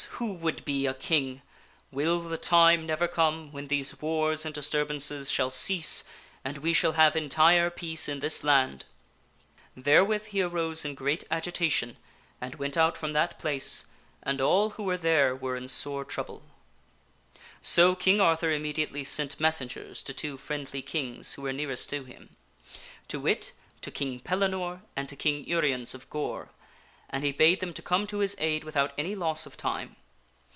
who would be a king! Will the time 156 PROLOGUE never come when these wars and disturbances shall cease and we shall have entire peace in this land !" Therewith he arose in great agitation and went out from that place, and all who were there were in sore trouble. So King Arthur immediately sent messengers to two friendly kings who were nearest to him to wit, to King Pellinore and to King Uriens of Gore and he bade them to come to his aid without any loss of time.